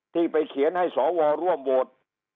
ที่ไปเขียนให้สวรรษร่วมโบสถ์